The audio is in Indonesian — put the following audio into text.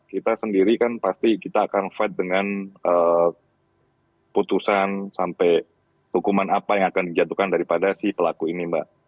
kita sendiri kan pasti kita akan fight dengan putusan sampai hukuman apa yang akan dijatuhkan daripada si pelaku ini mbak